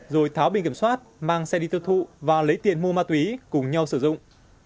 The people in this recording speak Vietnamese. rồi tháo biển kiểm soát mang xe đi tiêu thụ và lấy tiền mua ma túy cùng nhau sử dụng